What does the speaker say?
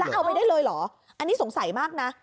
เอาไปได้เลยเหรออันนี้สงสัยมากนะ